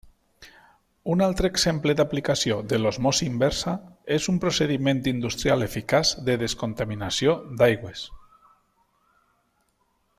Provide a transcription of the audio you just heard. Un altre exemple d'aplicació de l'osmosi inversa és un procediment industrial eficaç de descontaminació d'aigües.